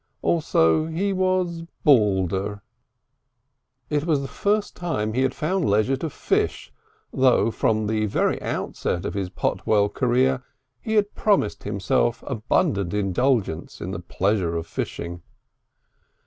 Also he was balder. It was the first time he had found leisure to fish, though from the very outset of his Potwell career he had promised himself abundant indulgence in the pleasures of fishing.